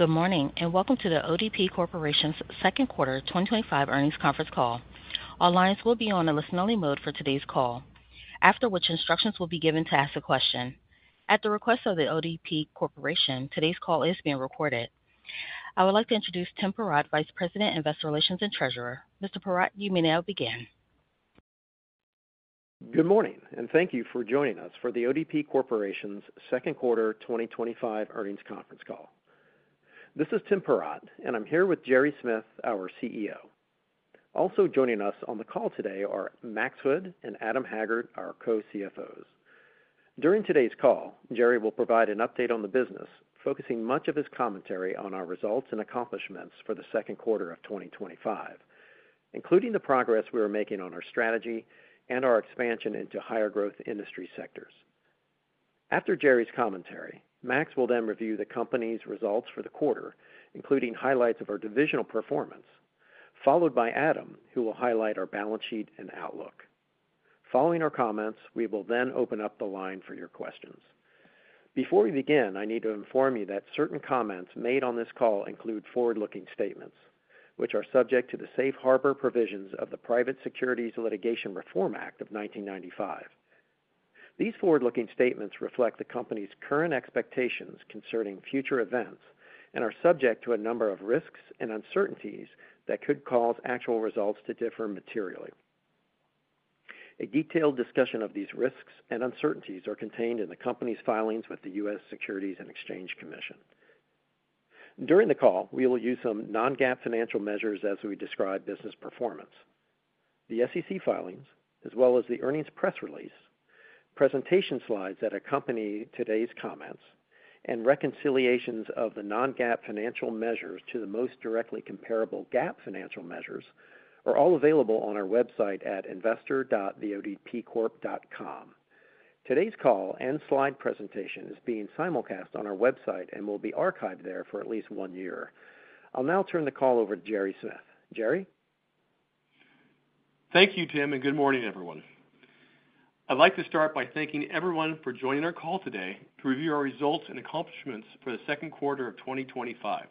Good morning and welcome to The ODP Corporation's Second Quarter 2025 Earnings Conference Call. All lines will be on a listen-only mode for today's call, after which instructions will be given to ask a question. At the request of The ODP Corporation today's call is being recorded. I would like to introduce Tim Perrott, Vice President Investor Relations and Treasurer. Mr. Perrott, you may now begin. Good morning and thank you for joining us for The ODP Corporation's Second Quarter 2025 Earnings Conference Call. This is Tim Perrott and I'm here with Gerry Smith, our CEO. Also joining us on the call today are Max Hood and Adam Haggard, our Co-CFOs. During today's call, Gerry will provide an update on the business, focusing much of his commentary on our results and accomplishments for the second quarter of 2025, including the progress we are making on our strategy and our expansion into higher-growth industry sectors. After Gerry's commentary, Max will then review the company's results for the quarter, including highlights of our divisional performance, followed by Adam, who will highlight our balance sheet and outlook. Following our comments, we will then open up the line for your questions. Before we begin, I need to inform you that certain comments made on this call include forward-looking statements, which are subject to the safe harbor provisions of the Private Securities Litigation Reform Act of 1995. These forward-looking statements reflect the company's current expectations concerning future events and are subject to a number of risks and uncertainties that could cause actual results to differ materially. A detailed discussion of these risks and uncertainties is contained in the company's filings with the U.S. Securities and Exchange Commission. During the call, we will use some non-GAAP financial measures as we describe business performance. The SEC filings, as well as the earnings press release, presentation slides that accompany today's comments, and reconciliations of the non-GAAP financial measures to the most directly comparable GAAP financial measures, are all available on our website at investor.odpcorp.com. Today's call and slide presentation is being simulcast on our website and will be archived there for at least one year. I'll now turn the call over to Gerry Smith. Gerry, thank you Tim, and good morning everyone. I'd like to start by thanking everyone for joining our call today to review our results and accomplishments for the second quarter of 2025.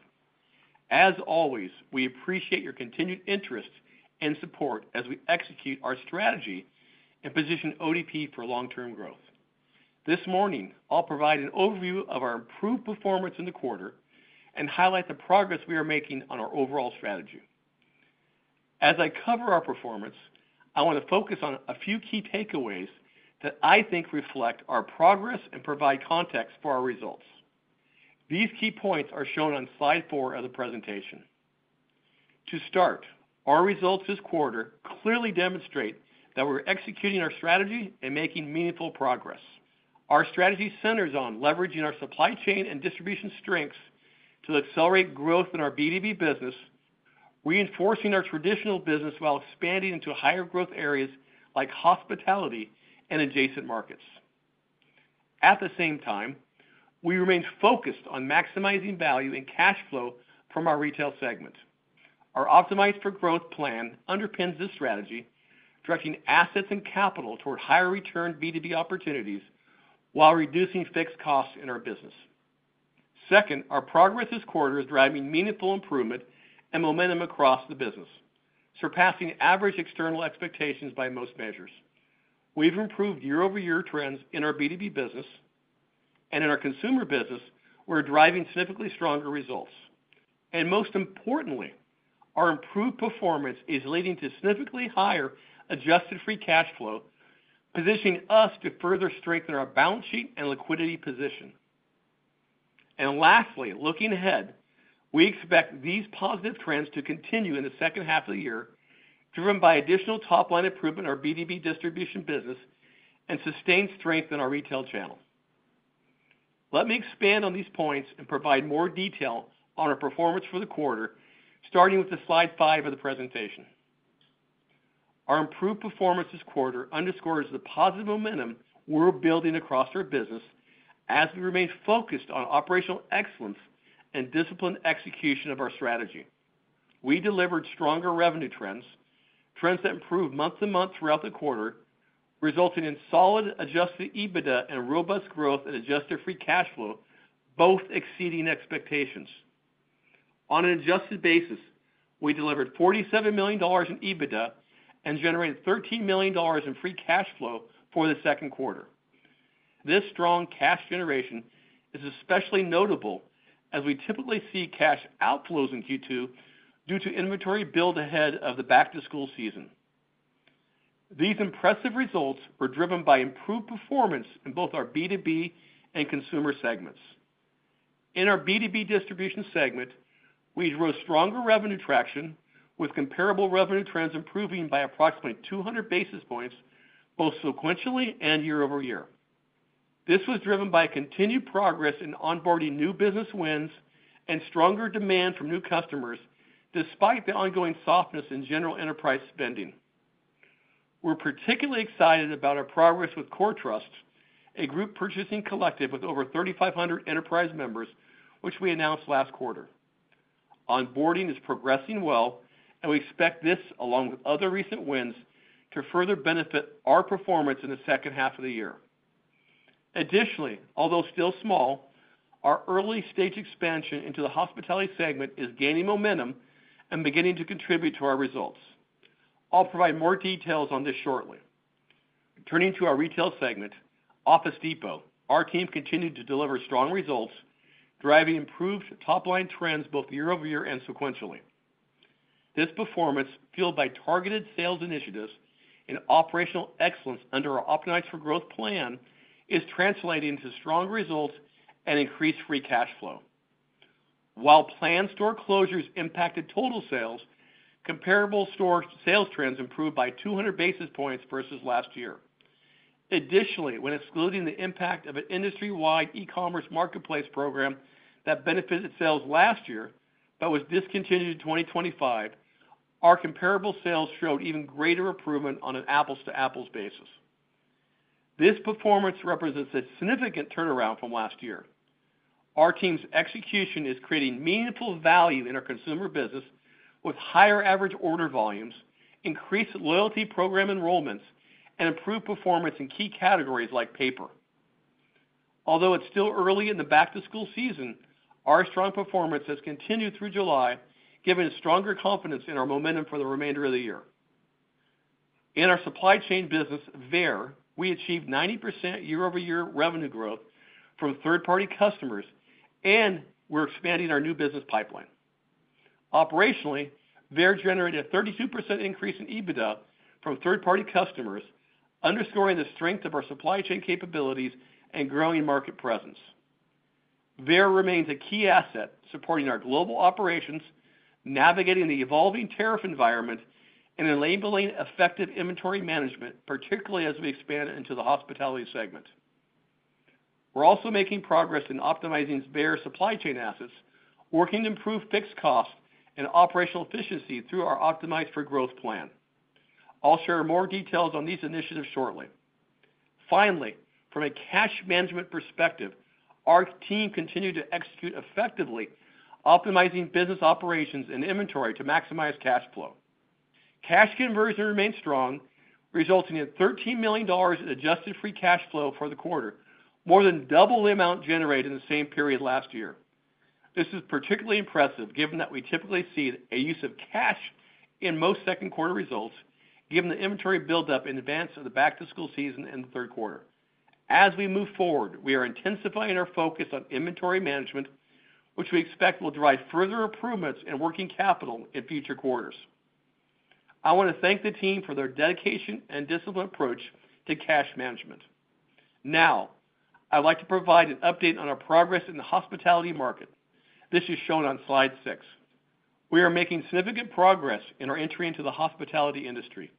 As always, we appreciate your continued interest and support as we execute our strategy and position ODP for long-term growth. This morning I'll provide an overview of our improved performance in the quarter and highlight the progress we are making on our overall strategy. As I cover our performance, I want to focus on a few key takeaways that I think reflect our progress and provide context for our results. These key points are shown on slide 4 of the presentation. To start, our results this quarter clearly demonstrate that we're executing our strategy and making meaningful progress. Our strategy centers on leveraging our supply chain and distribution strengths to accelerate growth in our B2B segment, reinforcing our traditional business while expanding into higher-growth areas like hospitality and adjacent markets. At the same time, we remain focused on maximizing value and cash flow from our retail segment. Our Optimize for Growth plan underpins this strategy, directing assets and capital toward higher return B2B opportunities while reducing fixed costs in our business. Second, our progress this quarter is driving meaningful improvement and momentum across the business, surpassing average external expectations. By most measures, we've improved year-over-year trends in our B2B business. And in our consumer business we're driving significantly stronger results and, most importantly, our improved performance is leading to significantly higher adjusted free cash flow, positioning us to further strengthen our balance sheet and liquidity position. Lastly, looking ahead, we expect these positive trends to continue in the second half of the year, driven by additional top-line improvement in our B2B distribution business and sustained strength in our retail channel. Let me expand on these points and provide more details on our performance for the quarter, starting with slide 5 of the presentation. Our improved performance this quarter underscores the positive momentum we're building across our business as we remain focused on operational excellence and disciplined execution of our strategy. We delivered stronger revenue trends that improved month to month throughout the quarter, resulting in solid adjusted EBITDA and robust growth in adjusted free cash flow, both exceeding expectations on an adjusted basis. We delivered $47 million in EBITDA and generated $13 million in free cash flow for the second quarter. This strong cash generation is especially notable as we typically see cash outflows in Q2 due to inventory build ahead of the back-to-school season. These impressive results were driven by improved performance in both our B2B and consumer segments. In our B2B segment, we drove stronger revenue traction, with comparable revenue trends improving by approximately 200 basis points both sequentially and year-over-year. This was driven by continued progress in onboarding, new business wins, and stronger demand from new customers despite the ongoing softness in general enterprise spending. We're particularly excited about our progress with CoreTrust, a group purchasing collective with over 3,500 enterprise members which we announced last quarter. Onboarding is progressing well and we expect this, along with other recent wins, to further benefit our performance in the second half of the year. Additionally, although still small, our early-stage expansion into the hospitality segment is gaining momentum and beginning to contribute to our results. I'll provide more details on this shortly. Turning to our retail segment, Office Depot, our team continued to deliver strong results, driving improved top-line trends both year-over-year and sequentially. This performance, fueled by targeted sales initiatives and operational excellence under our Optimize for Growth plan, is translating to strong results and increased free cash flow. While planned store closures impacted total sales, comparable store sales trends improved by 200 basis points versus last year. Additionally, when excluding the impact of an industry-wide e-commerce marketplace program that benefited sales last year but was discontinued in 2025, our comparable sales showed even greater improvement on an apples-to-apples basis. This performance represents a significant turnaround from last year. Our team's execution is creating meaningful value in our consumer business with higher average order volumes, increased loyalty program enrollments, and improved performance in key categories like paper. Although it's still early in the back-to-school season, our strong performance has continued through July, giving us stronger confidence in our momentum for the remainder of the year. In our supply chain business, Veyer, we achieved 90% year-over-year revenue growth from third-party customers, and we're expanding our new business pipeline. Operationally, Veyer generated a 32% increase in EBITDA from third-party customers, underscoring the strength of our supply chain capabilities and growing market presence. Veyer remains a key asset supporting our global operations, navigating the evolving tariff environment and enabling effective inventory management, particularly as we expand into the hospitality segment. We're also making progress in optimizing Veyer supply chain assets, working to improve fixed costs and operational efficiency through our Optimize for Growth plan. I'll share more details on these initiatives shortly. Finally, from a cash management perspective, our team continued to execute effectively, optimizing business operations and inventory to maximize cash flow. Cash conversion remains strong, resulting in $13 million in adjusted free cash flow for the quarter, more than double the amount generated in the same period last year. This is particularly impressive given that we typically see a use of cash in most second-quarter results given the inventory buildup in advance of the back-to-school season in the third quarter. As we move forward, we are intensifying our focus on inventory management, which we expect will drive further improvements in working capital in future quarters. I want to thank the team for their dedication and disciplined approach to cash management. Now I'd like to provide an update on our progress in the hospitality market. This is shown on slide 6. We are making significant progress in our entry into the hospitality industry.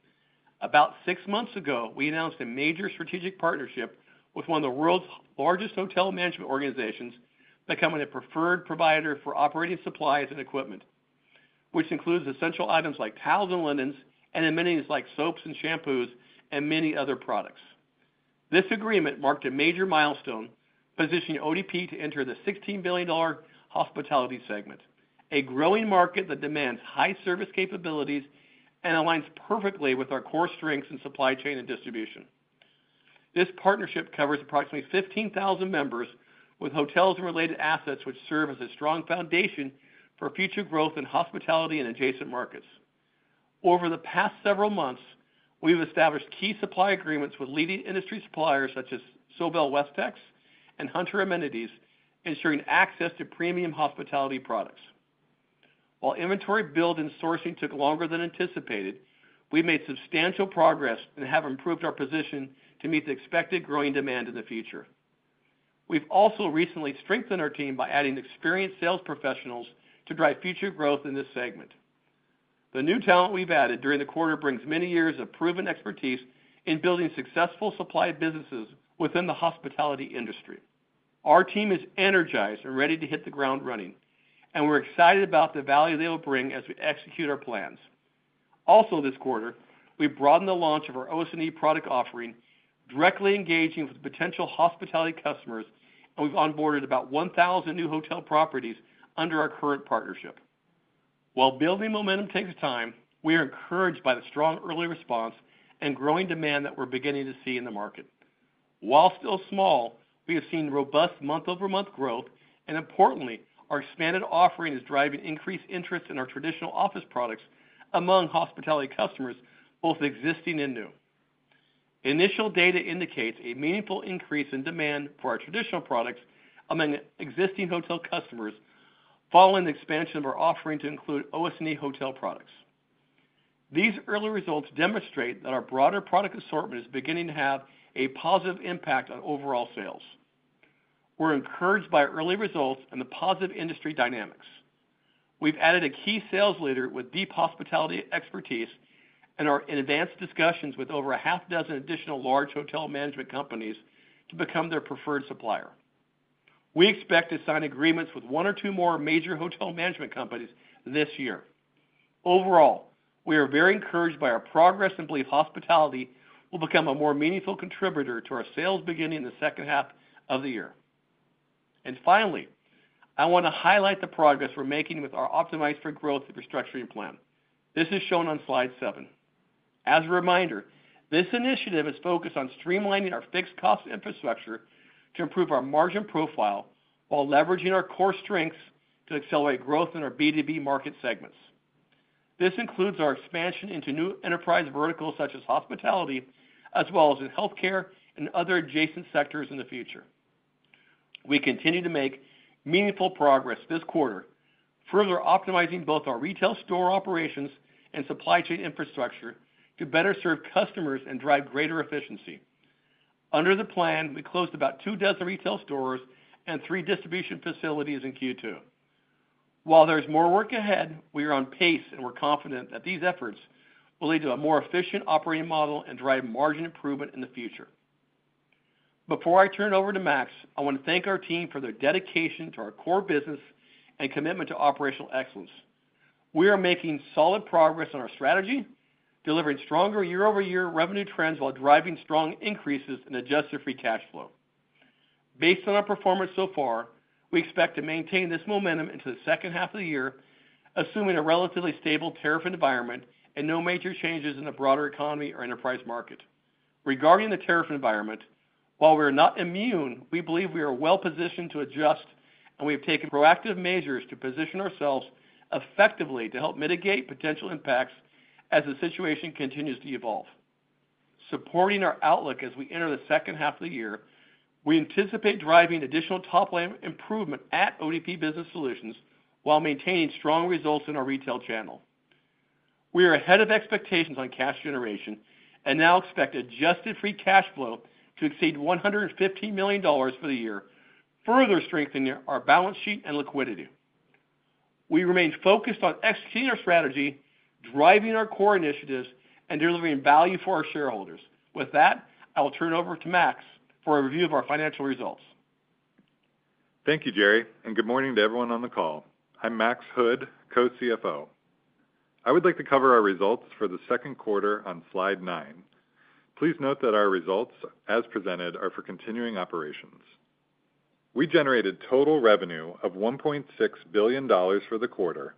About six months ago, we announced a major strategic partnership with one of the world's largest hotel management organizations, becoming a preferred provider for operating supplies and equipment, which includes essential items like towels and linens and amenities like soaps and shampoos and many other products. This agreement marked a major milestone, positioning ODP to enter the $16 billion hospitality segment, a growing market that demands high service capabilities and aligns perfectly with our core strengths in supply chain and distribution. This partnership covers approximately 15,000 members with hotels and related assets, which serve as a strong foundation for future growth in hospitality and adjacent markets. Over the past several months, we've established key supply agreements with leading industry suppliers such as Sobel Westex, and Hunter Amenities, ensuring access to premium hospitality products. While inventory build and sourcing took longer than anticipated, we made substantial progress and have improved our position to meet the expected growing demand in the future. We've also recently strengthened our team by adding experienced sales professionals to drive future growth in this segment. The new talent we've added during the quarter brings many years of proven expertise in building successful supply businesses within the hospitality industry. Our team is energized and ready to hit the ground running, and we're excited about the value they will bring as we execute our plans. Also, this quarter we broadened the launch of our OS&E product offering, directly engaging with potential hospitality customers, and we've onboarded about 1,000 new hotel properties under our current partnership. While building momentum takes time, we are encouraged by the strong early response and growing demand that we're beginning to see in the market. While still small, we have seen robust month-over-month growth, and importantly, our expanded offering is driving increased interest in our traditional office products among hospitality customers, both existing and new. Initial data indicates a meaningful increase in demand for our traditional products among existing hotel customers following the expansion of our offering to include OS&E hotel products. These early results demonstrate that our broader product assortment is beginning to have a positive impact on overall sales. We're encouraged by early results and the positive industry dynamics. We've added a key sales leader with deep hospitality expertise and are in advanced discussions with over a half dozen additional large hotel management companies to become their preferred supplier. We expect to sign agreements with one or two more major hotel management companies this year. Overall, we are very encouraged by our progress and believe hospitality will become a more meaningful contributor to our sales beginning in the second half of the year. Finally, I want to highlight the progress we're making with our Optimize for Growth restructuring plan. This is shown on slide 7. As a reminder, this initiative is focused on streamlining our fixed cost infrastructure to improve our margin profile while leveraging our core strengths to accelerate growth in our B2B market segments. This includes our expansion into new enterprise verticals such as hospitality as well as in healthcare and other adjacent sectors in the future. We continue to make meaningful progress this quarter, further optimizing both our retail store operations and supply chain infrastructure to better serve customers and drive greater efficiency. Under the plan, we closed about two dozen retail stores and three distribution facilities in Q2. While there's more work ahead, we are on pace and we're confident that these efforts will lead to a more efficient operating model and drive margin improvement in the future. Before I turn it over to Max, I want to thank our team for their dedication to our core business and commitment to operational excellence. We are making solid progress on our strategy, delivering stronger year-over-year revenue trends while driving strong increases in adjusted free cash flow. Based on our performance so far, we expect to maintain this momentum into the second half of the year assuming a relatively stable tariff environment and no major changes in the broader economy or enterprise market regarding the tariff environment. While we're not immune, we believe we are well-positioned to adjust and we have taken proactive measures to position ourselves effectively to help mitigate potential impacts as the situation continues to evolve. Supporting our outlook as we enter the second half of the year, we anticipate driving additional top-line improvement at ODP Business Solutions while maintaining strong results in our retail channel. We are ahead of expectations on cash generation and now expect adjusted free cash flow to exceed $115 million for the year, further strengthening our balance sheet and liquidity. We remain focused on executing our strategy, driving our core initiatives and delivering value for our shareholders. With that, I will turn it over to Max for a review of our financial results. Thank you Gerry and good morning to everyone on the call. I'm Max Hood, Co-CFO. I would like to cover our results for the second quarter on Slide 9. Please note that our results as presented are for continuing operations. We generated total revenue of $1.6 billion for the quarter,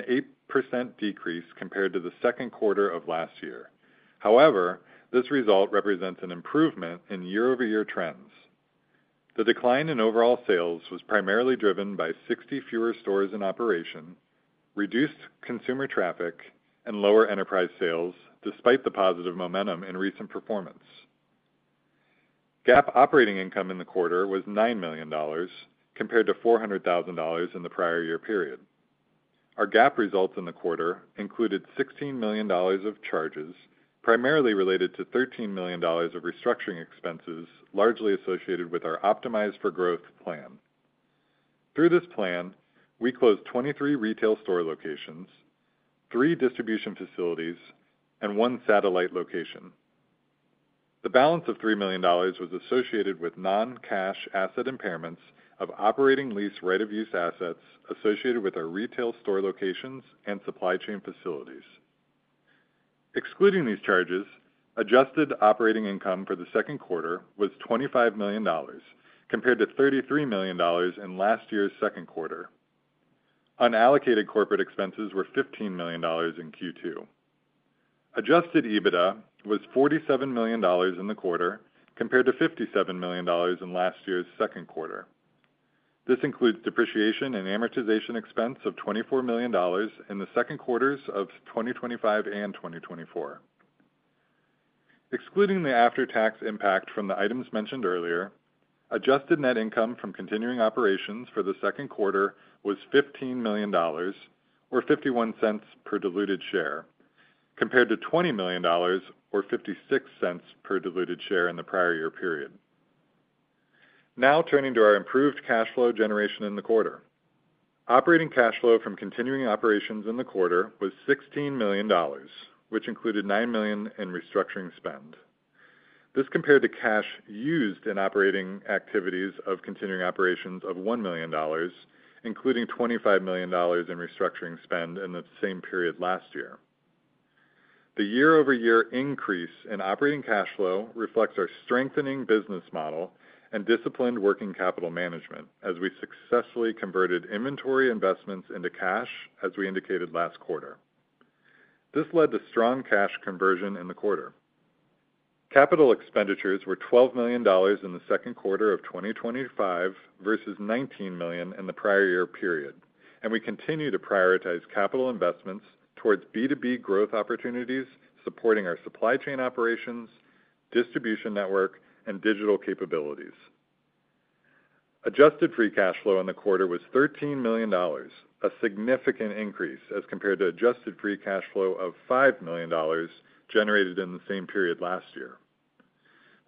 an 8% decrease compared to the second quarter of last year. However, this result represents an improvement in year-over-year trends. The decline in overall sales was primarily driven by 60 fewer stores in operation, reduced consumer traffic, and lower enterprise sales. Despite the positive momentum in recent performance, GAAP operating income in the quarter was $9 million compared to $400,000 in the prior year period. Our GAAP results in the quarter included $16 million of charges, primarily related to $13 million of restructuring expenses largely associated with our Optimize for Growth plan. Through this plan, we closed 23 retail store locations, 3 distribution facilities, and 1 satellite location. The balance of $3 million was associated with non-cash asset impairments of operating lease right-of-use assets associated with our retail store locations and supply chain facilities. Excluding these charges, adjusted operating income for the second quarter was $25 million compared to $33 million in last year's second quarter. Unallocated corporate expenses were $15 million in Q2. Adjusted EBITDA was $47 million in the quarter compared to $57 million in last year's second quarter. This includes depreciation and amortization expense of $24 million in the second quarters of 2025 and 2024, excluding the after-tax impact from the items mentioned earlier. Adjusted net income from continuing operations for the second quarter was $15 million or $0.51 per diluted share compared to $20 million or $0.56 per diluted share in the prior year period. Now turning to our improved cash flow generation in the quarter. Operating cash flow from continuing operations in the quarter was $16 million, which included $9 million in restructuring spend. This compared to cash used in operating activities of continuing operations of $1 million, including $25 million in restructuring spend in the same period last year. The year-over-year increase in operating cash flow reflects our strengthening business model and disciplined working capital management as we successfully converted inventory investments into cash. As we indicated last quarter, this led to strong cash conversion in the quarter. Capital expenditures were $12 million in the second quarter of 2025 versus $19 million in the prior year period, and we continue to prioritize capital investments towards B2B growth opportunities supporting our supply chain operations, distribution network, and digital capabilities. Adjusted free cash flow in the quarter was $13 million, a significant increase as compared to adjusted free cash flow of $5 million generated in the same period last year.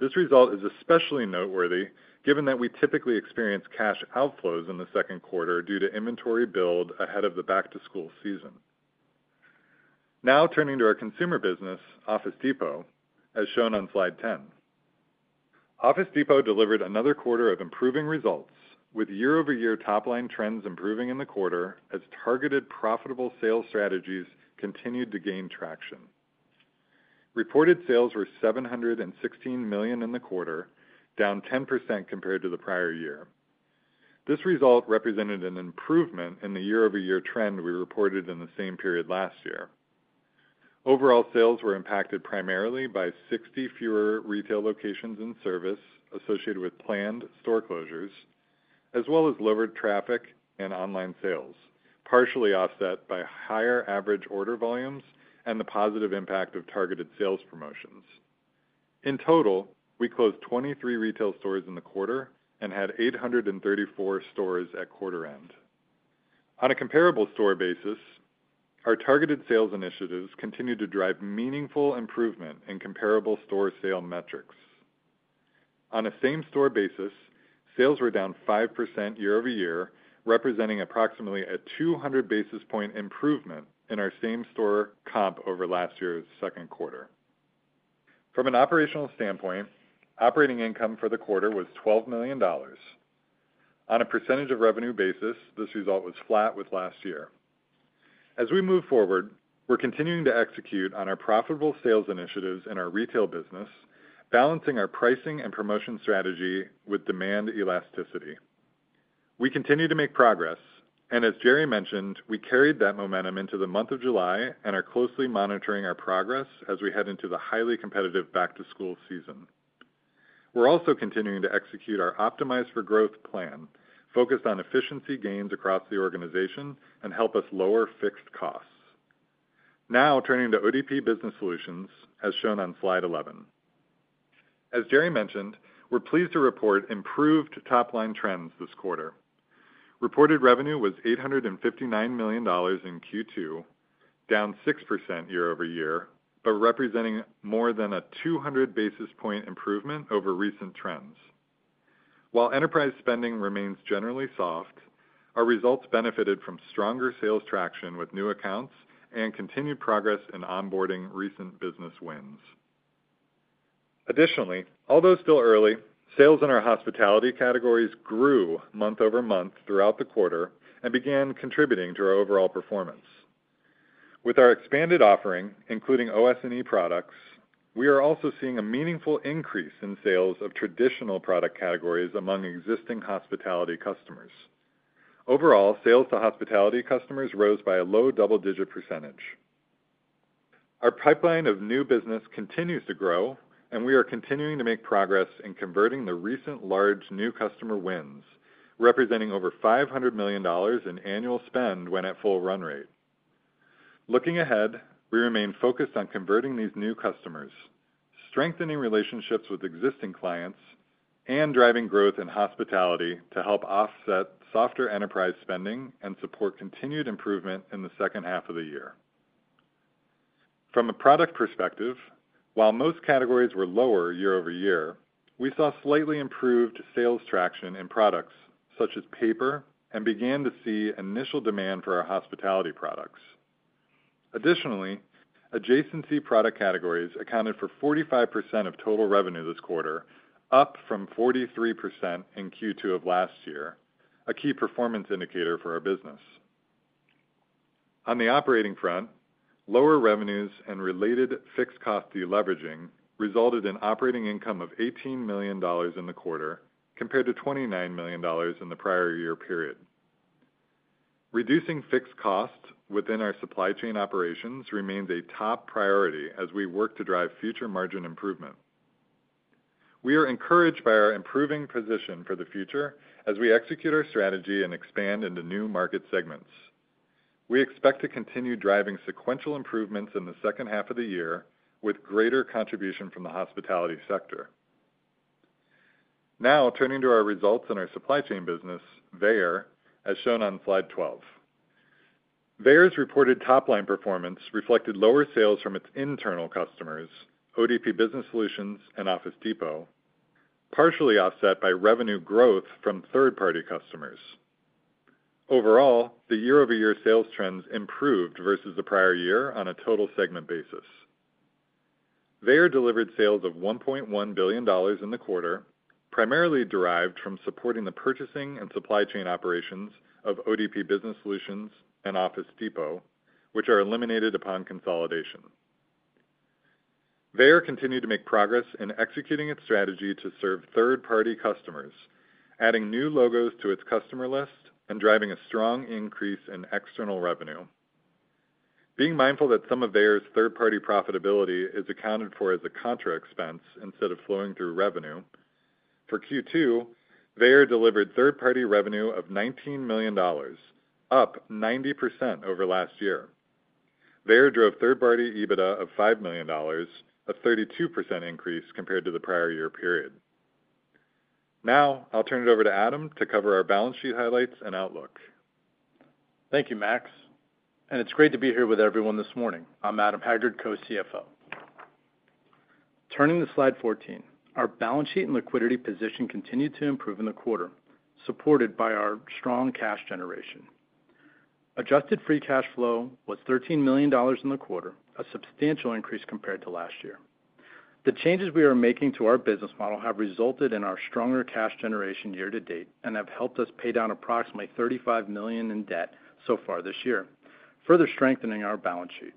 This result is especially noteworthy given that we typically experience cash outflows in the second quarter due to inventory build ahead of the back-to-school season. Now turning to our consumer business, Office Depot. As shown on slide 10, Office Depot delivered another quarter of improving results with year-over-year top-line trends improving in the quarter as targeted profitable sales strategies continued to gain traction. Reported sales were $716 million in the quarter, down 10% compared to the prior year. This result represented an improvement in the year-over-year trend we reported in the same period last year. Overall sales were impacted primarily by 60 fewer retail locations in service associated with planned store closures as well as lowered traffic and online sales, partially offset by higher average order volumes and the positive impact of targeted sales promotions. In total, we closed 23 retail stores in the quarter and had 834 stores at quarter end. On a comparable store basis, our targeted sales initiatives continue to drive meaningful improvement in comparable store sale metrics. On a same-store basis, sales were down 5% year-over-year, representing approximately a 200 basis point improvement in our same-store comp over last year's second quarter. From an operational standpoint, operating income for the quarter was $12 million. On a percentage of revenue basis, this result was flat with last year. As we move forward, we're continuing to execute on our profitable sales initiatives in our retail business, balancing our pricing and promotion strategy with demand elasticity. We continue to make progress, and as Gerry mentioned, we carried that momentum into the month of July and are closely monitoring our progress as we head into the highly competitive back-to-school season. We're also continuing to execute our Optimize for Growth plan, focused on efficiency gains across the organization and help us lower fixed costs. Now turning to ODP Business Solutions as shown on slide 11. As Gerry mentioned, we're pleased to report improved top line trends this quarter. Reported revenue was $859 million in Q2, down 6% year-over-year but representing more than a 200 basis point improvement over recent trends. While enterprise spending remains generally soft, our results benefited from stronger sales traction with new accounts and continued progress in onboarding recent business wins. Additionally, although still early, sales in our hospitality categories grew month-over-month throughout the quarter and began contributing to our overall performance with our expanded offering including OS&E products. We are also seeing a meaningful increase in sales of traditional product categories among existing hospitality customers. Overall, sales to hospitality customers rose by a low double-digit %. Our pipeline of new business continues to grow and we are continuing to make progress in converting the recent large new customer wins representing over $500 million in annual spend when at full run rate. Looking ahead, we remain focused on converting these new customers, strengthening relationships with existing clients, and driving growth in hospitality to help offset softer enterprise spending and support continued improvement in the second half of the year. From a product perspective, while most categories were lower year-over-year, we saw slightly improved sales traction in products such as paper and began to see initial demand for our hospitality products. Additionally, adjacency product categories accounted for 45% of total revenue this quarter, up from 43% in Q2 of last year, a key performance indicator for our business. On the operating front, lower revenues and related fixed cost deleveraging resulted in operating income of $18 million in the quarter compared to $29 million in the prior year period. Reducing fixed costs within our supply chain operations remains a top priority as we work to drive future margin improvement. We are encouraged by our improving position for the future as we execute our strategy and expand into new market segments. We expect to continue driving sequential improvements in the second half of the year with greater contribution from the hospitality sector. Now turning to our results in our supply chain business as shown on slide 12, Veyer’s reported top-line performance reflected lower sales from its internal customers, ODP Business Solutions and Office Depot, partially offset by revenue growth from third-party customers. Overall, the year-over-year sales trends improved versus the prior year. On a total segment basis, Veyer delivered sales of $1.1 billion in the quarter, primarily derived from supporting the purchasing and supply chain operations of ODP Business Solutions and Office Depot, which are eliminated upon consolidation. Veyer continued to make progress in executing its strategy to serve third-party customers, adding new logos to its customer list and driving a strong increase in external revenue, being mindful that some of Veyer’s third-party profitability is accounted for as a contra expense instead of flowing through revenue. For Q2, Veyer delivered third-party revenue of $19 million, up 90% over last year. There drove third-party EBITDA of $5 million, a 32% increase compared to the prior year period. Now I'll turn it over to Adam to cover our balance sheet highlights and outlook. Thank you, Max, and it's great to be here with everyone this morning. I'm Adam Haggard, Co-CFO. Turning to Slide 14, our balance sheet and liquidity position continued to improve in the quarter, supported by our strong cash generation. Adjusted free cash flow was $13 million in the quarter, a substantial increase compared to last year. The changes we are making to our business model have resulted in our stronger cash generation year to date and have helped us pay down approximately $35 million in debt so far this year, further strengthening our balance sheet.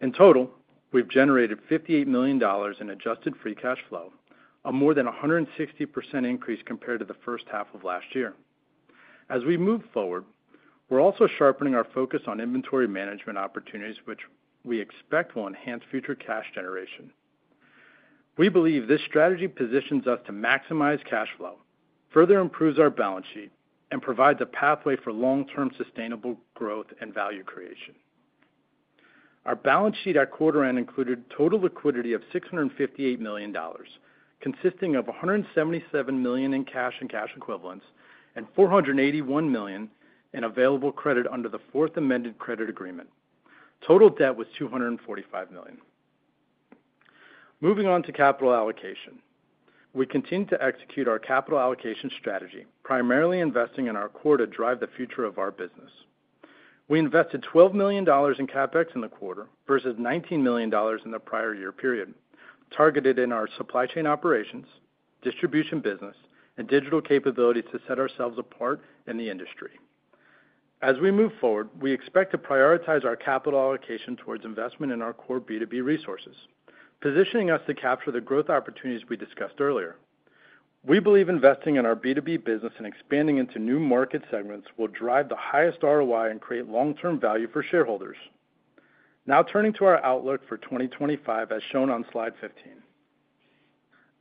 In total, we've generated $58 million in adjusted free cash flow, a more than 160% increase compared to the first half of last year. As we move forward, we're also sharpening our focus on inventory management opportunities, which we expect will enhance future cash generation. We believe this strategy positions us to maximize cash flow, further improves our balance sheet, and provides a pathway for long-term sustainable growth and value creation. Our balance sheet at quarter end included total liquidity of $658 million, consisting of $177 million in cash and cash equivalents and $481 million in available credit. Under the fourth amended credit agreement, total debt was $245 million. Moving on to capital allocation, we continue to execute our capital allocation strategy, primarily investing in our core to drive the future of our business. We invested $12 million in CapEx in the quarter versus $19 million in the prior year period, targeted in our supply chain operations, distribution business, and digital capability to set ourselves apart in the industry. As we move forward, we expect to prioritize our capital allocation towards investment in our core B2B resources, positioning us to capture the growth opportunities we discussed earlier. We believe investing in our B2B business and expanding into new market segments will drive the highest ROI and create long-term value for shareholders. Now turning to our outlook for 2025, as shown on Slide 15,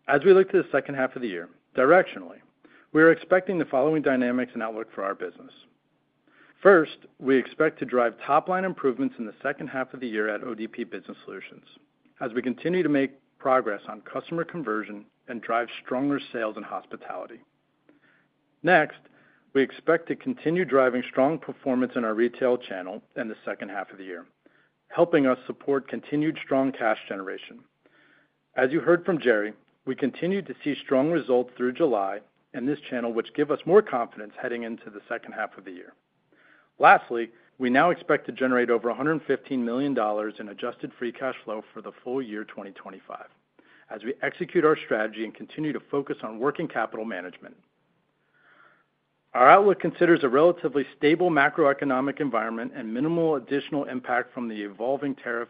as we look to the second half of the year, directionally, we are expecting the following dynamics and outlook for our business. First, we expect to drive top-line improvements in the second half of the year at ODP Business Solutions as we continue to make progress on customer conversion and drive stronger sales and hospitality. Next, we expect to continue driving strong performance in our retail channel in the second half of the year, helping us support continued strong cash generation. As you heard from Gerry, we continued to see strong results through July in this channel, which gives us more confidence heading into the second half of the year. Lastly, we now expect to generate over $115 million in adjusted free cash flow for the full year 2025 as we execute our strategy and continue to focus on working capital management. Our outlook considers a relatively stable macroeconomic environment and minimal additional impact from the evolving tariff.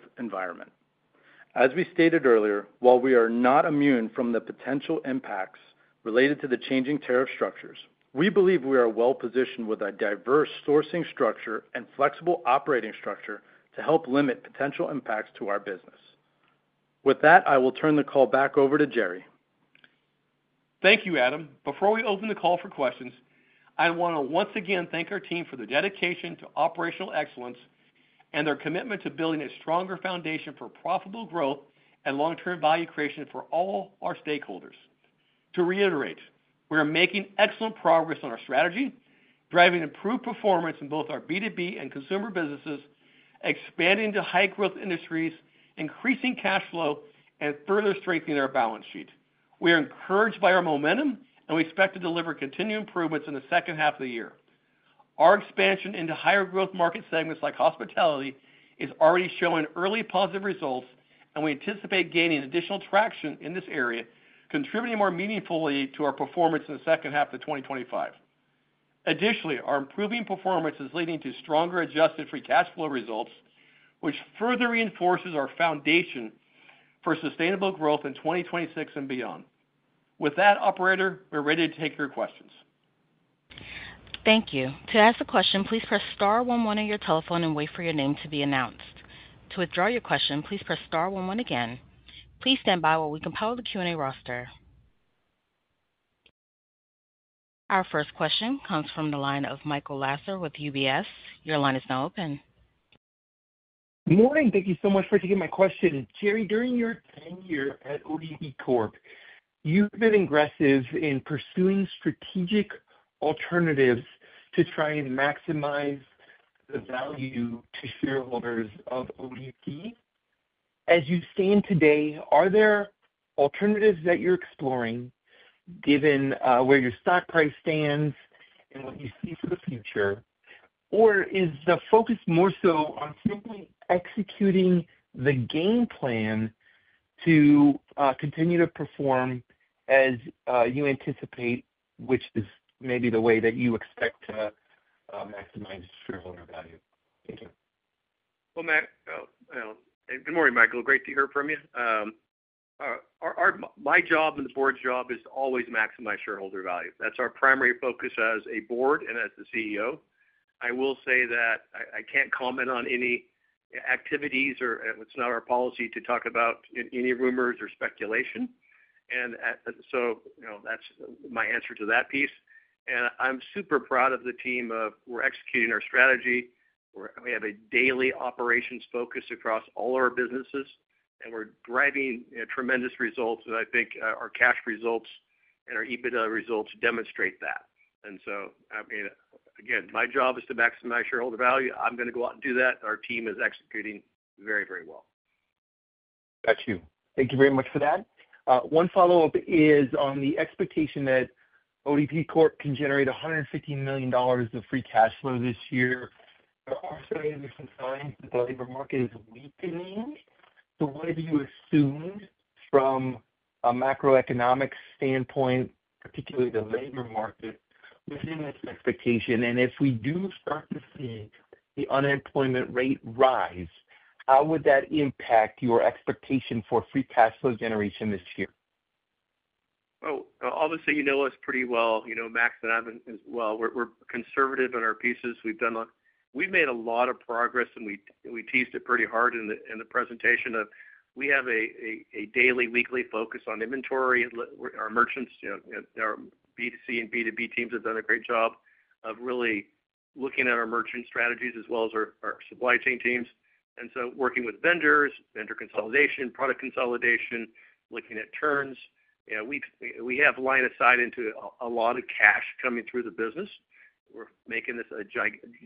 As we stated earlier, while we are not immune from the potential impacts related to the changing tariff structures, we believe we are well-positioned with a diverse sourcing structure and flexible operating structure to help limit potential impacts to our business. With that, I will turn the call back over to Gerry. Thank you, Adam. Before we open the call for questions, I want to once again thank our team for their dedication to operational excellence and their commitment to building a stronger foundation for profitable growth and long-term value creation for all our stakeholders. To reiterate, we are making excellent progress on our strategy, driving improved performance in both our B2B and consumer businesses, expanding to high-growth industries, increasing cash flow, and further strengthening our balance sheet. We are encouraged by our momentum, and we expect to deliver continued improvements in the second half of the year. Our expansion into higher-growth market segments like hospitality is already showing early positive results, and we anticipate gaining additional traction in this area, contributing more meaningfully to our performance in the second half of 2025. Additionally, our improving performance is leading to stronger adjusted free cash flow results, which further reinforces our foundation for sustainable growth in 2026 and beyond. With that, operator, we're ready to take your questions. Thank you. To ask a question, please press star one one on your telephone and wait for your name to be announced. To withdraw your question, please press star one one again. Please stand by while we compile the Q&A roster. Our first question comes from the line of Michael Lasser with UBS. Your line is now open. Good morning. Thank you so much for taking my question. Gerry, during your tenure at ODP Corp, you've been aggressive in pursuing strategic alternatives to try and maximize the value to shareholders of ODP. As you stand today, are there alternatives that you're exploring given where your stock price stands and what you see for the future? Or is the focus more so on simply executing the game plan to continue to perform as you anticipate, which is maybe the way that you expect to maximize shareholder value? Thank you. Good morning. Michael, great to hear from you. My job and the Board's job is to always maximize shareholder value. That's our primary focus as a Board and as the CEO, I will say that I can't comment on any activities or it's not our policy to talk about any rumors or speculation. So that's my answer to that piece. I'm super proud of the team. We're executing our strategy. We have a daily operations focus across all our businesses and we're driving tremendous results. I think our cash results and our EBITDA results demonstrate that. And so I mean, again, my job is to maximize shareholder value. I'm going to go out and do that. Our team is executing very, very well. Got you. Thank you very much for that. One follow-up is on the expectation that The ODP Corp can generate $115 million of. Free cash flow this year. There are some signs that the labor market is weakening. So, what have you assumed from a macroeconomic standpoint, particularly the labor market within that expectation? And if we do start to see the unemployment rate rise, how would that impact your expectation for free cash flow generation this year? Oh, obviously you know us pretty well. You know Max and Adam as well. We're conservative in our pieces. We've done, we've made a lot of progress and we teased it pretty hard in the presentation. We have a daily, weekly focus on inventory. Our merchants, our B2C and B2B teams have done a great job of really looking at our merchant strategies as well as our supply chain teams, and so working with vendors, vendor consolidation, product consolidation, looking at turns. We have line of sight into a lot of cash coming through the business. We're making this a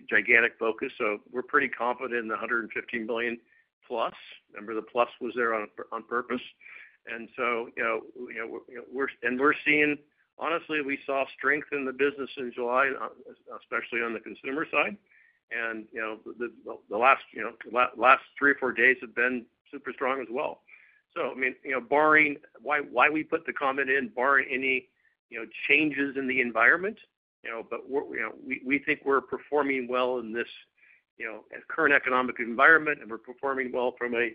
gigantic focus. We're pretty confident in $115 million+. Remember, the plus was there on purpose. We're seeing, honestly, we saw strength in the business in July, especially on the consumer side. The last 3 or 4 days have been super strong as well. So, I mean barring why we put the comment in, barring any changes in the environment, is because we think we're performing well in this current economic environment and we're performing well from a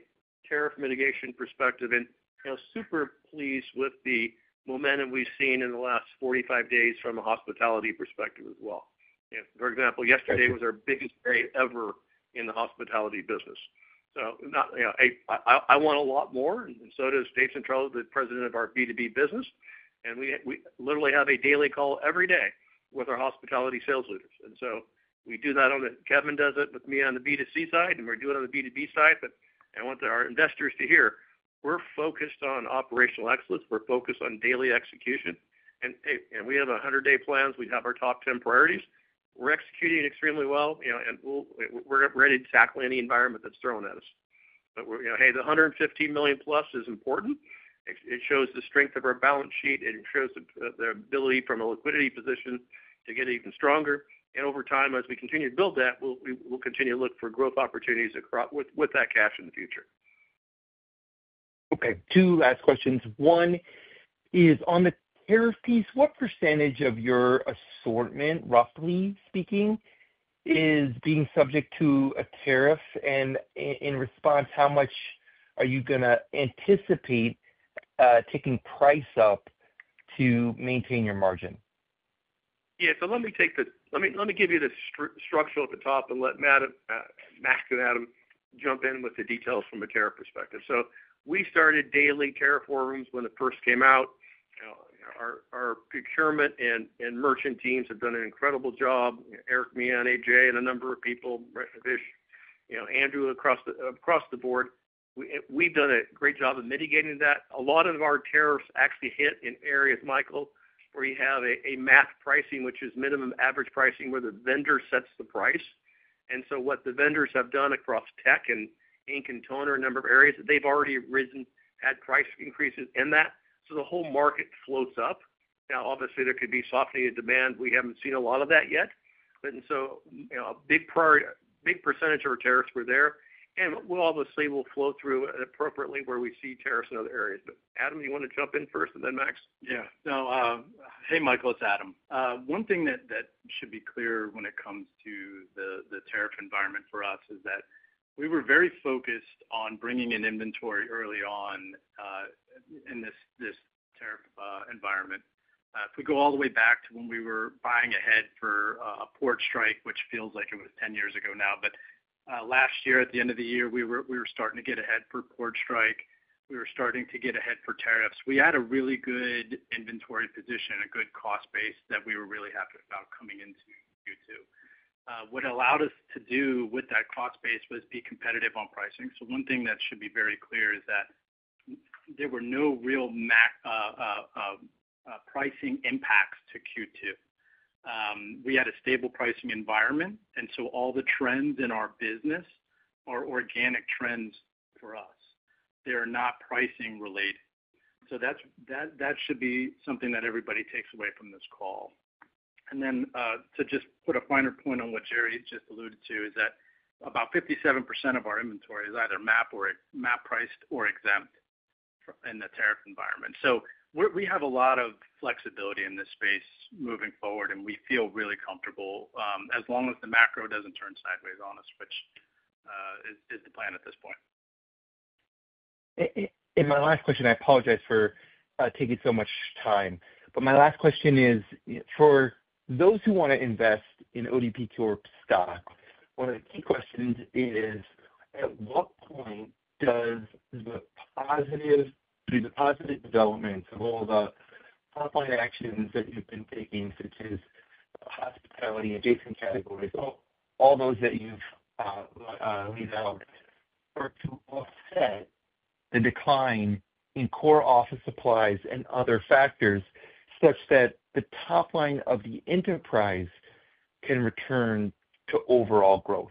tariff mitigation perspective and are super pleased with the momentum we've seen in the last 45 days from a hospitality perspective as well. For example, yesterday was our biggest day ever in the hospitality business. I want a lot more. So does David Centrella, the President of our B2B business. We literally have a daily call every day with our hospitality sales leaders. Kevin does it with me on the B2C side and we're doing it on the B2B side. I want our investors to hear we're focused on operational excellence. We're focused on daily execution, and we have 100-day plans. We have our top 10 priorities. We're executing extremely well, and we're ready to tackle any environment that's thrown at us. The $115 million+ is important. It shows the strength of our balance sheet and it shows the ability from a liquidity position to get even stronger. And over time, as we continue to build that, we will continue to look for growth opportunities with that cash in the future. Okay, two last questions. One is on the tariff piece, what percentage of your assortment, roughly speaking, is being subject to a tariff? And in response, how much are you going to anticipate taking price up to maintain your margin? Yeah so, let me take that. Let me give you the structural at the top and let Max and Adam jump in with the details from a tariff perspective. So, we started daily tariff forums when it first came out. Our procurement and merchant teams have done an incredible job. Eric Meehan, AJ, and a number of people, Andrew, across the board, we have done a great job of mitigating that. A lot of our tariffs actually hit in areas, Michael, where you have a MAP pricing, which is minimum average pricing, where the vendor sets the price. And so what the vendors have done across tech and ink and toner, a number of areas, they've already had price increases in that, so the whole market floats up. Obviously, there could be softening of demand. We haven't seen a lot of that yet. So, a big priority, a big percentage of our tariffs were there, and we obviously will flow through appropriately where we see tariffs in other areas. Adam, do you want to jump in first and then Max? Yeah. No. Hey, Michael, it's Adam. One thing that should be clear. It comes to the tariff environment for us is that we were very focused on bringing in inventory early on in this tariff environment. If we go all the way back to when we were buying ahead for a port strike, which feels like it was 10 years ago now. But last year at the end of the year we were starting to get ahead for. Port strike, we were starting to get ahead for tariffs. We had a really good inventory position, a good cost base that we were really happy about coming into Q2. What allowed us to do with that cost base was be competitive on pricing. One thing that should be very clear is that there were no real MAP pricing impacts to Q2. We had a stable pricing environment, and all the trends in our business are organic trends for us. They're not pricing-related. So, that should be something that everybody takes away from this call. And then just to put a finer point on what Gerry just alluded to, about 57% of our inventory is either MAP priced or exempt in the tariff environment. We have a lot of flexibility in this space moving forward, and we feel really comfortable as long as the macro doesn't turn sideways on us, which is the plan at this point. In my last question, I apologize for taking so much time, but my last question is for those who want to invest in ODP Corp stock. One of the key questions is at what point does the positive, through the positive development of all the offline actions that you've been taking, such as hospitality adjacent category, all those that you've laid out to offset the decline in core office supplies and other factors such that the top line of the enterprise can return to overall growth.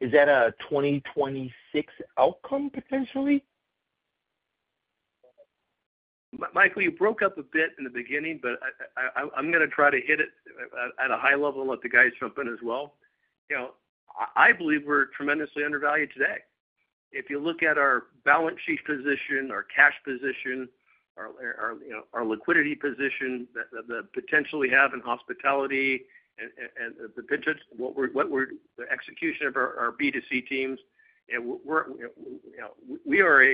Is that a 2026 outcome potentially? Michael, you broke up a bit in the beginning, but I'm going to try to hit it at a high level and let the guys jump in as well. I believe we're tremendously undervalued today. If you look at our balance sheet position, our cash position, our liquidity position, the potential we have in hospitality, and the execution of our B2C teams. We are,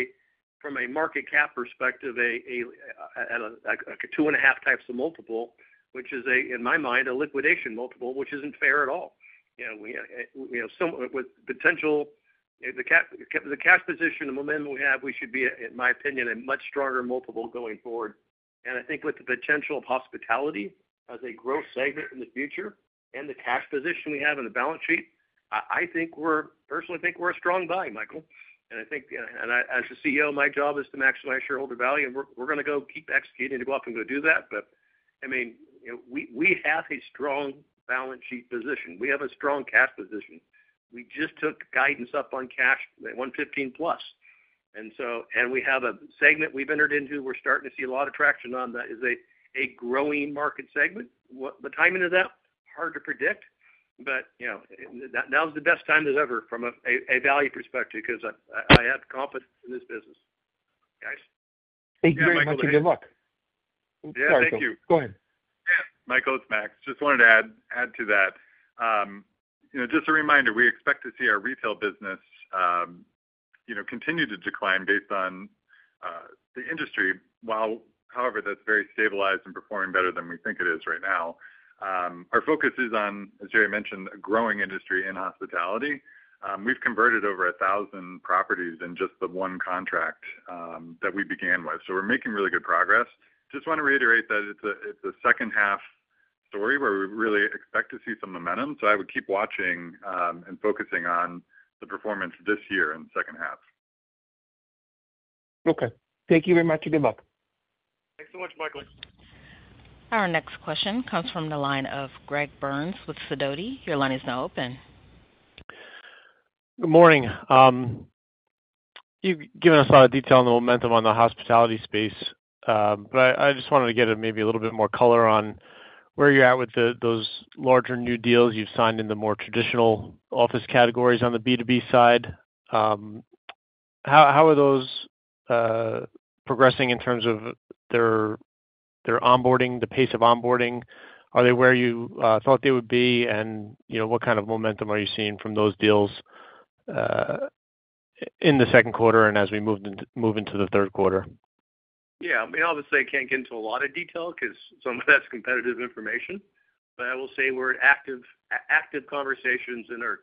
from a market cap perspective, at a 2.5x multiple, which is, in my mind, a liquidation multiple, which isn't fair at all. With the potential, the cash position, the momentum we have, we should be, in my opinion, at a much stronger multiple going forward. I think with the potential of hospitality as a growth segment in the future and the cash position we have in the balance sheet, I personally think we're a strong buy, Michael. As CEO, my job is to maximize shareholder value. We're going to keep executing to go up and do that. But I mean we have a strong balance sheet position, we have a strong cash position. We just took guidance up on cash $115 million+ and we have a segment we've entered into, we're starting to see a lot of traction on that is a growing market segment. The timing of that is hard to predict. But now's the best time ever from a value perspective because I have confidence in this business. Guys? Thank you very much and good luck. Go ahead, Michael. It's Max. Just wanted to add to that. Just a reminder, we expect to see our retail business continue to decline based on the industry. However, that's very stabilized and performing better than we think it is right now. Our focus is on, a mentioned, a growing industry in hospitality. We've converted over a thousand properties in just the one contract that we began with. We're making really good progress. I just want to reiterate that it's a second-half story where we really expect to see some momentum. So, I would keep watching and focusing on the performance this year in the second half. Okay, thank you very much. Good luck. Thanks so much, Michael. Our next question comes from the line of Greg Burns with Sidoti. Your line is now open. Good morning. You've given us a lot of detail on the momentum on the hospitality space. But I just wanted to get maybe a little bit more color on where you're at with those larger new deals you've signed in the more traditional office categories on the B2B side. How are those progressing in terms of their onboarding, the pace of onboarding, are they where you thought they would be, and what kind of momentum are you seeing from those deals in the second quarter and as we move into the third quarter? Yeah, I mean, obviously I can't get into a lot of detail because some of that's competitive information. But I will say we're active, active conversations and are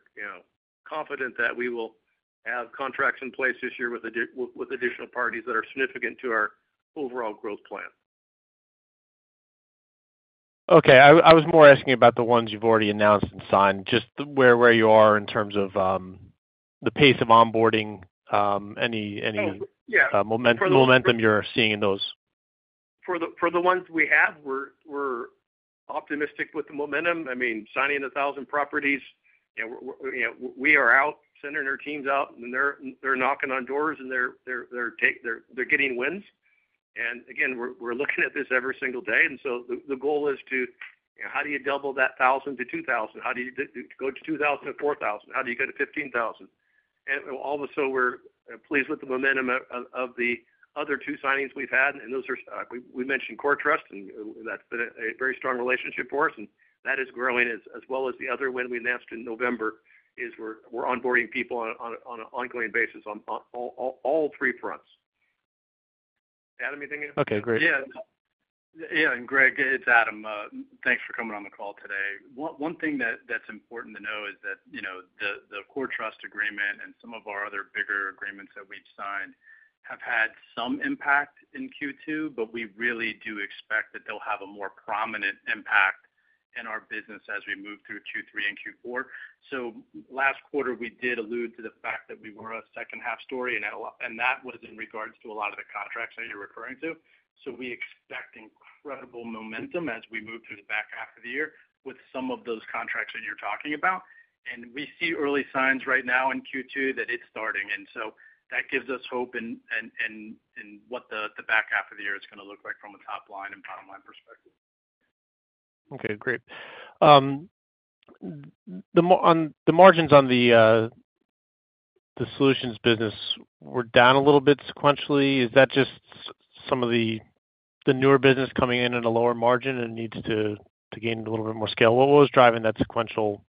confident that we will have contracts in place this year with additional parties that are significant to our overall growth plan. Okay. I was more asking about the ones you've already announced and signed, just where you are in terms of the pace of onboarding. Any momentum you're seeing in those? For the ones we have. We're optimistic with the momentum. I mean, signing a thousand properties, we are sending our teams out and they're knocking on doors and they're getting wins. And again, we're looking at this every single day. The goal is to, how do you double that 1,000-2,000? How do you go to 2,000-4,000? How do you go to 15,000? All of a sudden we're pleased with the momentum of the other two signings we've had. We mentioned CoreTrust, and that's been a very strong relationship for us. That is growing as well as the other one we announced in November. We're onboarding people on an ongoing basis on all three fronts. Adam, anything? Okay, great. Yeah, yeah. Greg, it's Adam. Thanks for coming on the call today. One thing that's important to know is that the CoreTrust agreement and some of our other bigger agreements that we've signed have had some impact in Q2, but we really do expect that they'll have a more prominent impact in our business as we move through Q3 and Q4. So last quarter we did allude to the fact that we were a second-half story, and that was in regards to a lot of the contracts that you're referring to. So we expect incredible momentum as we move through the back half of the year with some of those contracts that you're talking about. And we see early signs right now in Q2 that it's starting, and that gives us hope in what the back half of the year is going to look like from a top-line and bottom-line perspective. Okay, great. The margins on the solutions business were down a little bit sequentially. Is that just some of the newer business coming in at a lower margin and needs to gain a little bit more scale? What was driving that sequential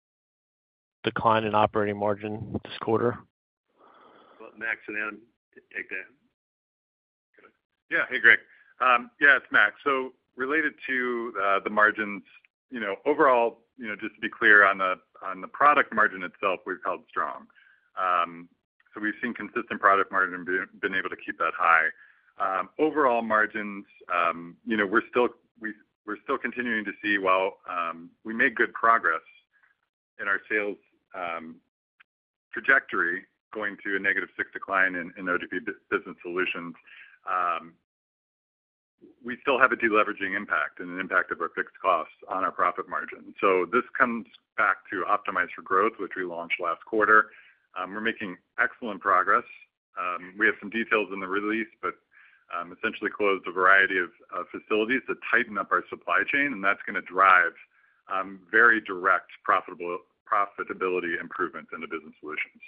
decline in operating margin this quarter? Max and Adam take that. Yeah. Hey Greg, yeah, it's Max. So, related to the margins, overall just to be clear on the product margin itself, we've held strong. We've seen consistent product margin and been able to keep that high overall margins. We're still, we're still continuing to see while we made good progress in our sales trajectory going to a -6% decline in ODP Business Solutions, we still have a deleveraging impact and an impact of our fixed costs on our profit margin. This comes back to Optimize for Growth, which we launched last quarter. We're making excellent progress. We have some details in the release. We essentially closed a variety of facilities to tighten up our supply chain, and that's going to drive very direct profitability improvement in the business solutions.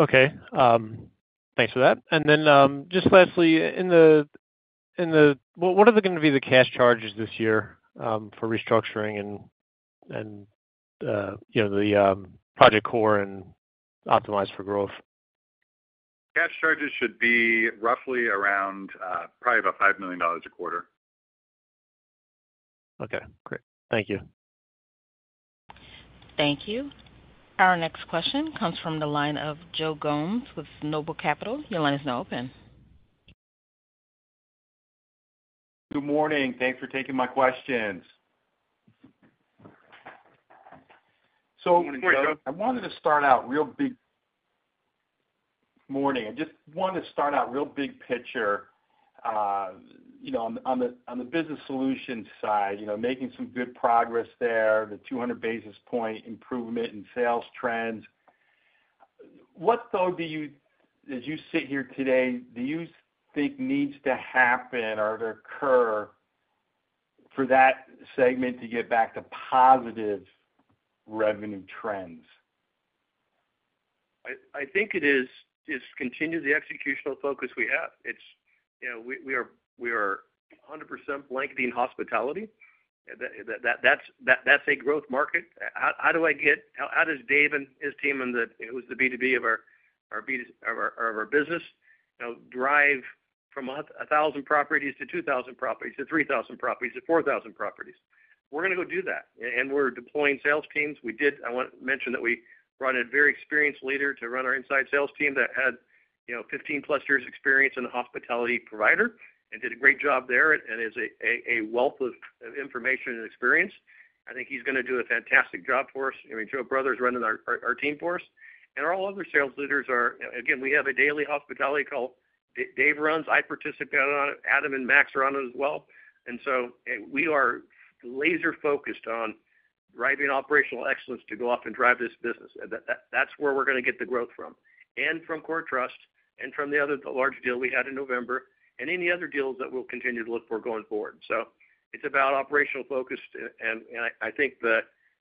Okay, thanks for that. And just lastly. What are going to be the cash charges this year? For restructuring and the you know the Project Core and Optimize for Growth? Cash charges should be roughly around $5 million a quarter. Okay, great. Thank you. Thank you. Our next question comes from the line of Joe Gomes with Noble Capital. Your line is now open. Good morning. Thanks for taking my questions. I wanted to start out real big. I just want to start out real big picture, you know, on the business solutions side, you know, making some good progress there. The 200 basis point improvement in sales trends. What though do you, as you sit here today, do you think needs to happen or to occur for that segment to get back to positive revenue trends? I think it is just continue the executional focus we have. It's, you know, we are 100% blanketing hospitality. That's a growth market. How do I get how does Dave and his team and who's the B2B of our business drive from 1,000 properties to 2,000 properties to 3,000 properties to 4,000 properties. We're going to go do that, and we're deploying sales teams. We did. I want to mention that we brought a very experienced leader to run our inside sales team that had, you know, 15+ years experience in a hospitality provider and did a great job there and is a wealth of information and experience. I think he's going to do a fantastic job for us. I mean, Joe Brothers running our team for us and all other sales leaders are, again, we have a daily hospitality call Dave runs. I participate on it. Adam and Max are on as well. We are laser-focused on driving operational excellence to go off and drive this business. That's where we're going to get the growth from and from CoreTrust and from the other large deal we had in November and any other deals that we'll continue to look for going forward. So, it's about operational focused, and I think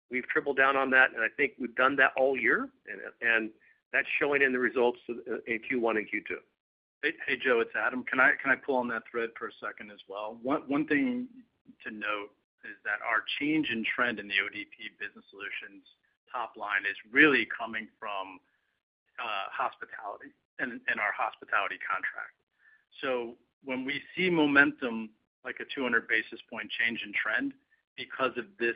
we've tripled down on that, and I think we've done that all year, and that's showing in the results in Q1 and Q2. Hey Joe, it's Adam. Can I pull on that thread? A second as well? One thing to note is that our change in trend in the ODP Business Solutions top-line is really coming from hospitality and our hospitality contract. When we see momentum, like a 200 basis point change in trend because of this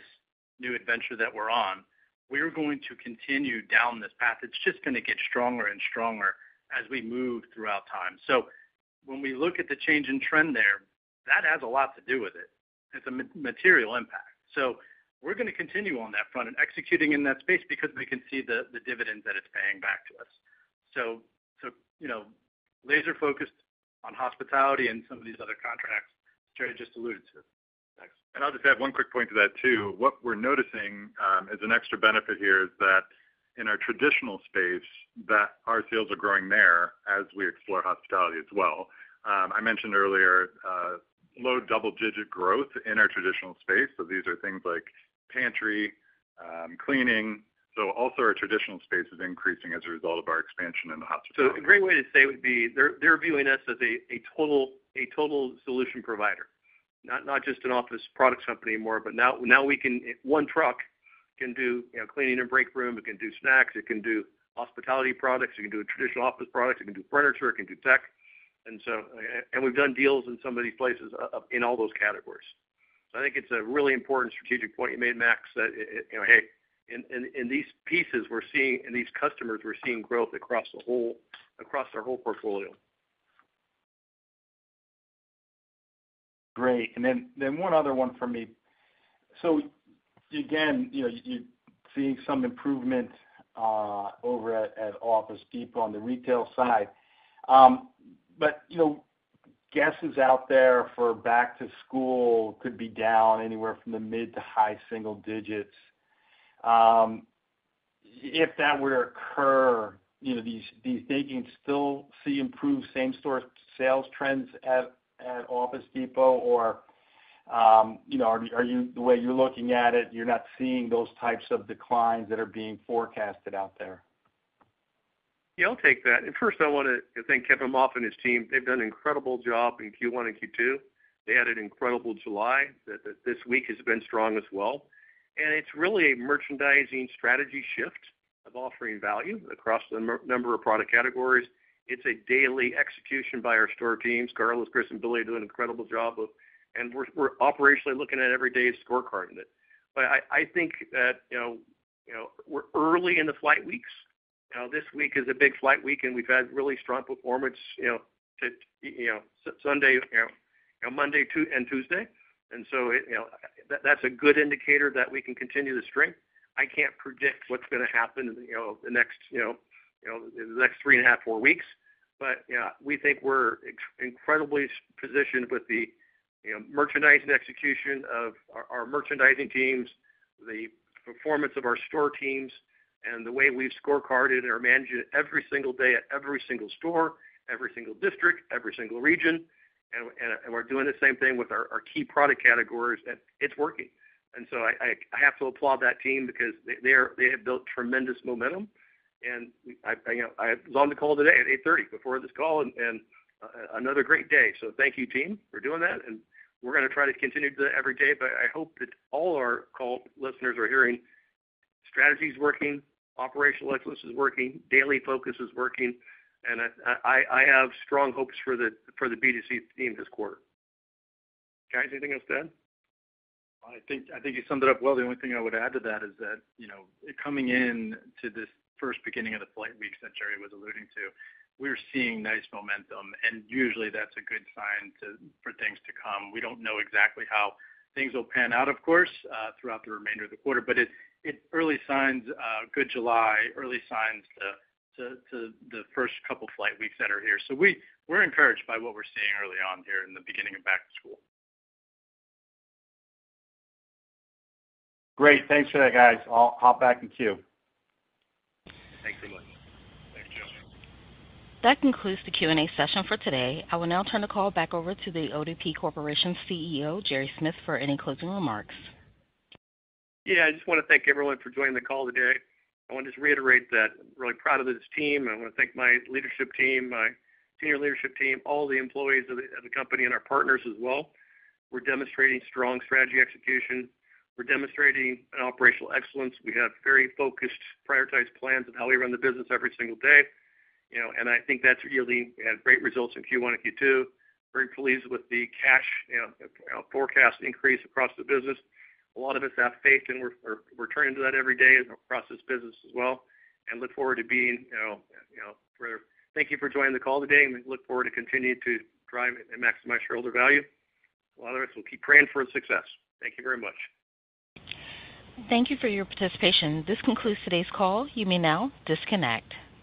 new adventure that we're on, we are going to continue down this path. It's just going to get stronger and stronger as we move throughout time. So, when we look at the change in trend there, that has a lot. It's a material impact. So, we're going to continue on that front and executing in that space because we can see the dividends that it's paying back to us. So, laser-focused on hospitality and some of these other contracts Gerry just alluded to. I'll just add one quick point to that too. What we're noticing is an extra benefit here is that in our traditional space, our sales are growing there as well. We explore hospitality as well. I mentioned earlier low double-digit growth in our traditional space. These are things like pantry cleaning. So, also our traditional space is increasing as a result of our expansion in the hospital. A great way to say would. They're viewing us as a total solution provider, not just an office products company more. Now we can one truck can do cleaning and break room, it can do snacks, it can do hospitality products, it can do traditional office products, it can do furniture, it can do tech. And so, we've done deals in some of these places in all those categories. I think it's a really important strategic point you made, Max, that in these pieces we're seeing and these customers, we're seeing growth across the whole, across our whole portfolio. Great. Then one other one for me. You see some improvement over at Office Depot on the retail side. You know, guesses out there for back-to-school could be down anywhere from the mid to high single-digits. If that were to occur, you know these thinking still see improved same-store sales trends at Office Depot? Or are you the way you're looking at it, you're not seeing those types of declines that are being forecasted out there? I'll take that. First, I want to thank Kevin Moffitt and his team. They've done an incredible job in Q1 and Q2. They had an incredible July and this week has been strong as well. And it's really a merchandising strategy shift of offering value across a number of product categories. It's a daily execution by our store teams. Carlos, Chris, and Billy do an incredible job. We're operationally looking at every day's scorecard in it. But I think that we're early in the flight weeks. This week is a big flight week and we've had really strong performance Sunday, Monday, and Tuesday. And so that's a good indicator that we can continue the strength. I can't predict what's going to happen the next three and a half, four weeks. We think we're incredibly positioned with the merchandising execution of our merchandising teams, the performance of our store teams, and the way we scorecard it and are managing every single day at every single store, every single district, every single region. And we're doing the same thing with our key product categories and it's working. I have to applaud that team because they have built tremendous momentum. And I was on the call today at 8:30 A.M. before this call and another great day. Thank you team for doing that. We're going to try to continue every day. I hope that all our call listeners are hearing strategies working, operational excellence is working, daily focus is working. And I have strong hopes for the B2C team this quarter. Guys, anything else to add? I think you summed it up well. The only thing I would add to is that is coming in to this first beginning of the flight weeks that Gerry was alluding to, we're seeing nice momentum, and usually that's a good sign for things to come. We don't know exactly how things will pan out, of course, throughout the remainder of the quarter. It's early signs, good July, early signs to the first couple weeks that are here. We are encouraged by what we're seeing early on here in the beginning of back-to-school. Great. Thanks for that, guys. I'll hop back in queue. [crosstalk-Thanks so much. Thanks, Jeff.] That concludes the Q&A session for today. I will now turn the call back over to The ODP Corporation CEO, Gerry Smith, for any closing remarks. Yeah, I just want to thank everyone for joining the call today. I want to just reiterate that I'm really proud of this team. I want to thank my leadership team, my senior leadership team, all the employees of the company, and our partners as well. We're demonstrating strong strategy execution. We're demonstrating operational excellence. We have very focused, prioritized plans of how we run the business every single day. I think that's really had great results in Q1 and Q2. Very pleased with the cash forecast increase across the business. A lot of us have faith and we're returning to that every day across this business as well and look forward to being, you know. Thank you for joining the call today. We look forward to continue to drive and maximize shareholder value. A lot of us will keep praying for success. Thank you very much. Thank you for your participation. This concludes today's call. You may now disconnect.